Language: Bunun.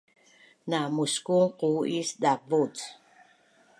namuskun quu’is davuc